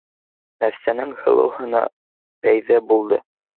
Нәфисәнең һылыу һыны пәйҙә булды